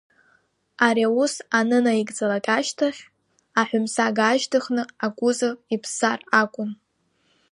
Ари аус анынаигӡалак ашьҭахь, аҳәымсаг аашьҭыхны акузов иԥссар акәын.